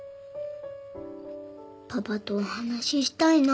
パパとお話ししたいな。